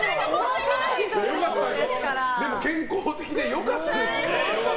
でも、健康的で良かったです。